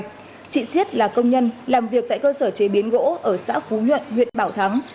chị siết là công nhân làm việc tại cơ sở chế biến gỗ ở xã phú nhuận huyện bảo thắng